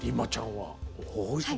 はい。